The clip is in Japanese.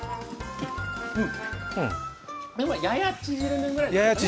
麺はやや縮め麺ぐらいですね。